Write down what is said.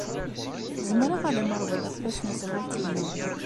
Zemreɣ ad am-reḍleɣ tasnasɣalt-inu.